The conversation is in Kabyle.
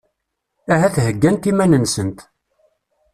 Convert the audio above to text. Ahat heggant iman-nsent.